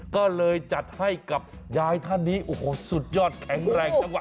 ก็เลยจัดให้กับยายท่านนี้โอ้โหสุดยอดแข็งแรงจังหวะ